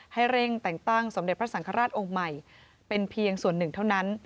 ให้เร่งแต่งตั้งสมเด็จพระสังฆราชองค์ใหม่เป็นเพียงส่วนหนึ่งเท่านั้น